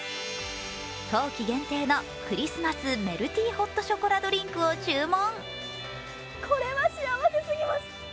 冬季限定のクリスマスメルティホットショコラドリンクを注文。